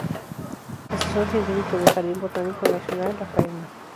Asesor científico del Jardín Botánico Nacional Rafael Ma.